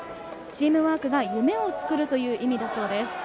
チームワークが夢を作るという意味だそうです。